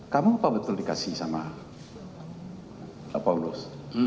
kamu apa betul dikasih sama paulus